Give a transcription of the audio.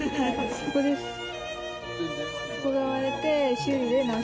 ここです。